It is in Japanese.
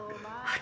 あ。